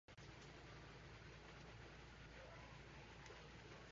In most civil law jurisdictions, courts function under an inquisitorial system.